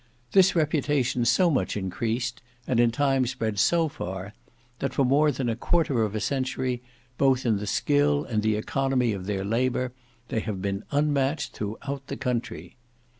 This reputation so much increased, and in time spread so far, that for more than a quarter of a century, both in their skill and the economy of their labour, they have been unmatched throughout the country.